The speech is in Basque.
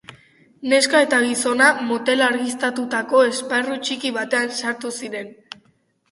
Neska eta gizona motel argiztatutako esparru txiki batean sartu ziren.